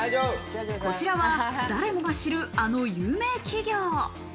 こちらは誰もが知る、あの有名企業。